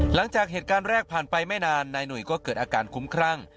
หลังจากเหตุการณ์แรกผ่านไปไม่นานนายหนุ่ยก็เกิดอาการคุ้มครั่ง